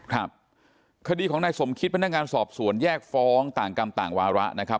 ครับคดีของนายสมคิดพนักงานสอบสวนแยกฟ้องต่างกรรมต่างวาระนะครับ